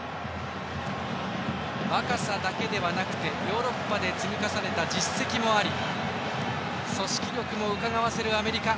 若さだけではなくてヨーロッパで積み重ねた実績もあり組織力もうかがわせるアメリカ。